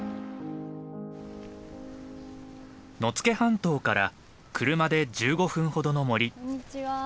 野付半島から車で１５分ほどの森。